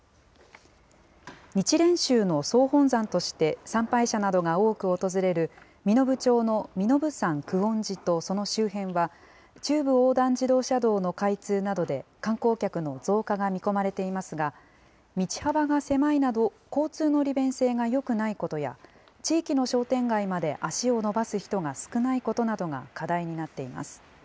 日蓮宗の総本山として、参拝者などが多く訪れる、身延町の身延山久遠寺とその周辺は、中部横断自動車道の開通などで観光客の増加が見込まれていますが、道幅が狭いなど、交通の利便性がよくないことや、地域の商店街まで足を伸ばす人が少ないことなどが課題になっています。